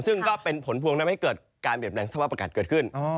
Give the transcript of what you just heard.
ซึ่งก็เป็นผลพวงทำให้เกิดการเปลี่ยนแปลงสภาพอากาศเกิดขึ้น